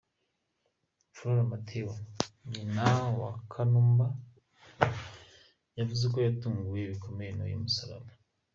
Flora Mtegoa , nyina wa Kanumba yavuze ko yatunguwe bikomeye n’uyu musaraba.